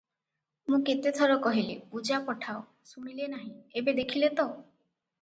ମୂଁ କେତେ ଥର କହିଲି ପୂଜା ପଠାଅ ଶୁଣିଲେନାହିଁ, ଏବେ ଦେଖିଲେତ?